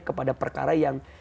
kepada perkara yang